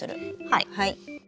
はい。